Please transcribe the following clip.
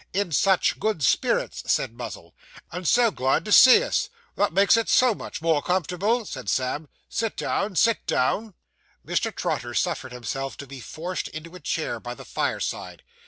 'In such good spirits!' said Muzzle. 'And so glad to see us that makes it so much more comfortable,' said Sam. 'Sit down; sit down.' Mr. Trotter suffered himself to be forced into a chair by the fireside.